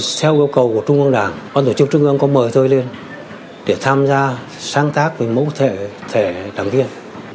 đến năm hai nghìn ba theo yêu cầu của trung ương đảng bác tổ chức trung ương có mời tôi lên để tham gia sáng tác với mẫu thẻ đảng viên